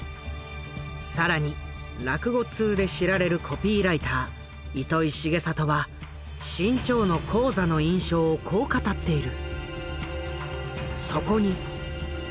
更に落語通で知られるコピーライター糸井重里は志ん朝の高座の印象をこう語っている。